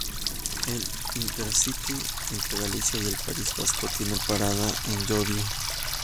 El Intercity entre Galicia y el País Vasco tiene parada en Llodio.